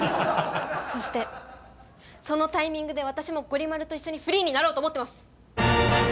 そしてそのタイミングで私もゴリ丸と一緒にフリーになろうと思ってます！